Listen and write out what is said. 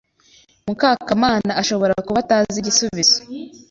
Mukakamana ashobora kuba atazi igisubizo.